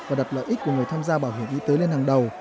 và đặt lợi ích của người tham gia bảo hiểm y tế lên hàng đầu